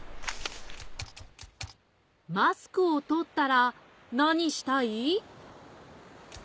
マスクをとったらなにしたい？